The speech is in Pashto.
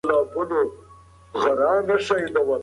که ښارونه لوی سي نو ښاري ټولنپوهنه پکاریږي.